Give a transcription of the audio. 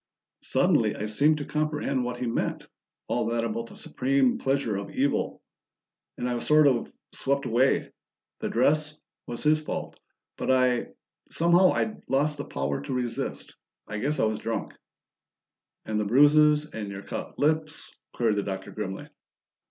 "Suddenly I seemed to comprehend what he meant all that about the supreme pleasure of evil. And I was sort of swept away. The dress was his fault, but I somehow I'd lost the power to resist. I guess I was drunk." "And the bruises? And your cut lips?" queried the Doctor grimly.